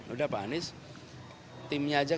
udah pak anies timnya aja